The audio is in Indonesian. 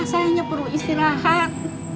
saya hanya perlu istirahat